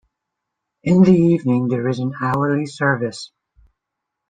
In the evening there is an hourly service.